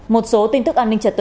một số tin tức an ninh trật tự